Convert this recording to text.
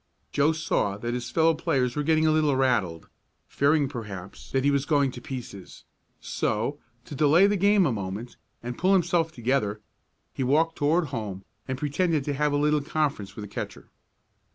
Joe saw that his fellow players were getting a little "rattled," fearing perhaps that he was going to pieces, so, to delay the game a moment, and pull himself together, he walked toward home, and pretended to have a little conference with the catcher.